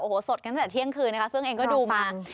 โอ้โหสดกันตั้งแต่เที่ยงคืนนะคะเฟื่องเองก็ดูมา